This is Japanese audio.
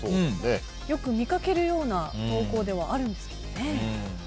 よく見かけるような投稿ではあるんですけどね。